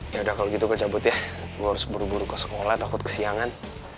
yaudah kalau gitu gue cabut ya gue harus buru buru ke sekolah takut kesiangan